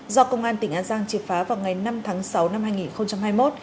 do công an tỉnh an giang triệt phá vào ngày năm tháng sáu năm hai nghìn hai mươi một